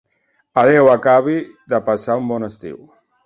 Adéu, acabi de passar un bon estiu.